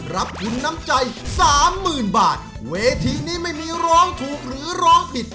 รับทุนน้ำใจสามหมื่นบาทเวทีนี้ไม่มีร้องถูกหรือร้องผิด